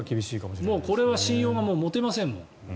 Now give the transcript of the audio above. これは信用が持てませんもん。